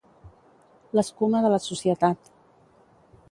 L'escuma de la societat